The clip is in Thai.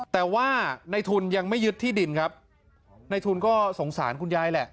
แต่ว่าในทุนยังไม่ยึดที่ดินครับในทุนก็สงสารคุณยายแหละ